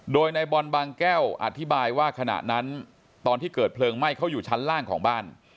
โดยในบอลบางแก้วอธิบายว่าขณะนั้นตอนที่เกิดเพลิงไหม้เขาอยู่ชั้นล่างของบ้าน